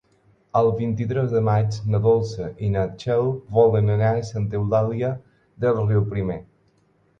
El vint-i-tres de maig na Dolça i na Txell volen anar a Santa Eulàlia de Riuprimer.